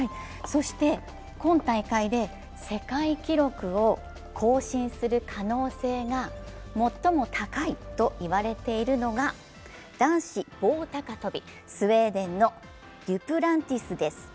今大会で世界記録を更新する可能性が最も高いといわれているのが男子棒高跳、スウェーデンのデュプランティスです。